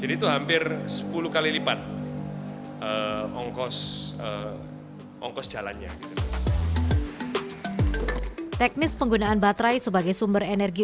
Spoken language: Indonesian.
itu hampir sepuluh kali lipat ongkos ongkos jalannya gitu teknis penggunaan baterai sebagai sumber energi